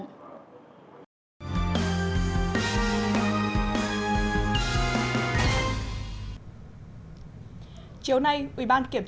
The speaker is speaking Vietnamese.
chiều nay ubkt trung ương